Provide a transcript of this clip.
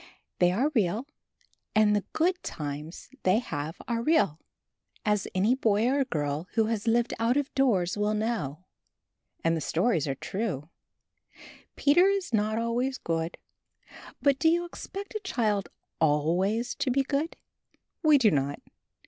They are real, and the good times they have are real, as any boy or girl who has lived out of doors will know. And the stories are true. Peter is not always good. But do you expect a child always to be good? We do not.